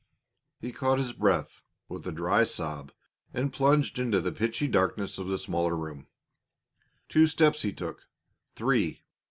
He caught his breath with a dry sob and plunged into the pitchy darkness of the smaller room. Two steps he took three.